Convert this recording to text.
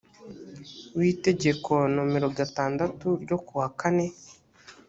w itegeko nomero gatandatu ryo kuwa kane